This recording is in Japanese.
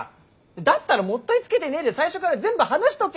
だったらもったいつけてねえで最初から全部話しとけっつうの！